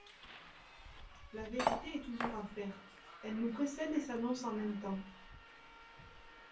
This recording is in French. La vérité est toujours à faire; elle nous précède et s'annonce en même temps.